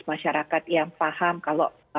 masyarakat yang paham kalau